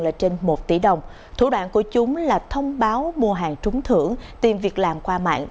là trên một tỷ đồng thủ đoạn của chúng là thông báo mua hàng trúng thưởng tìm việc làm qua mạng